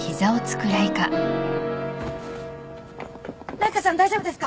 ライカさん大丈夫ですか？